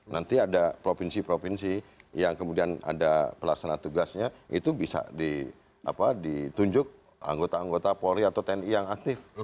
nanti ada provinsi provinsi yang kemudian ada pelaksana tugasnya itu bisa ditunjuk anggota anggota polri atau tni yang aktif